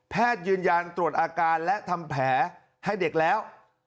ยืนยันตรวจอาการและทำแผลให้เด็กแล้ว